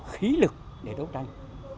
khí lực để đấu tranh